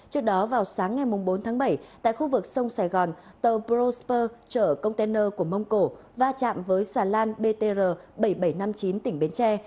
trước đó vào sáng ngày bốn tháng bảy tại khu vực sông sài gòn tàu prosper chở container của mông cổ va chạm với xà lan btr bảy nghìn bảy trăm năm mươi chín tỉnh bến tre